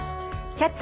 「キャッチ！